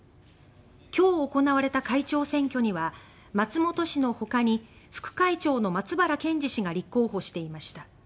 今日行われた会長選挙には松本氏のほかに副会長の松原謙二氏が立候補していました。